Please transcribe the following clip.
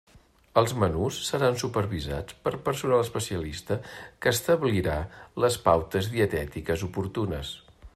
Els menús seran supervisats per personal especialista que establirà les pautes dietètiques oportunes.